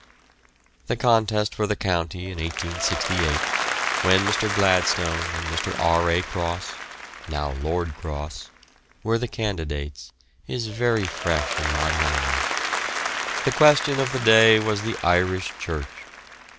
The contest for the County in 1868, when Mr. Gladstone and Mr. R. A. Cross (now Lord Cross) were the candidates, is very fresh in my memory. The question of the day was the Irish church.